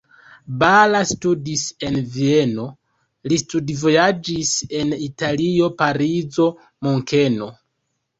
Balla studis en Vieno, li studvojaĝis en Italio, Parizo, Munkeno.